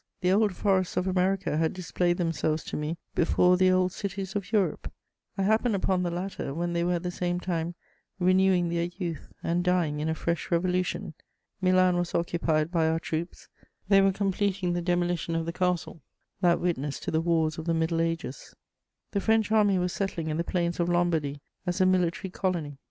The old forests of America had displayed themselves to me before the old cities of Europe. I happened upon the latter when they were at the same time renewing their youth and dying in a fresh revolution. Milan was occupied by our troops; they were completing the demolition of the castle, that witness to the wars of the Middle Ages. The French army was settling in the plains of Lombardy as a military colony.